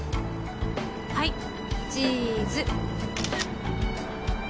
はいチーズ！